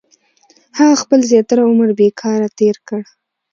• هغه خپل زیاتره عمر بېکاره تېر کړ.